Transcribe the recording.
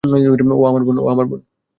ও আমার বোন।